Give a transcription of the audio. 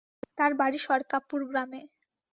তাঁর বাড়ি সরকাপুর গ্রামে।